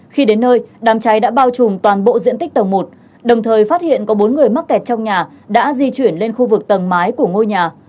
khi đến nơi đám cháy đã bao trùm toàn bộ diện tích tầng một đồng thời phát hiện có bốn người mắc kẹt trong nhà đã di chuyển lên khu vực tầng mái của ngôi nhà